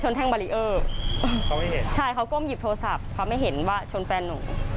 ใช่เค้าก้มหยิบโทรศัพท์เค้าไม่เห็นว่าชนแฟนหนู